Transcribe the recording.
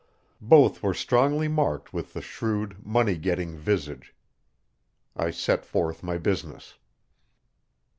Both were strongly marked with the shrewd, money getting visage. I set forth my business.